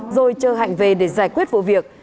rồi chờ hạnh về để giải quyết vụ việc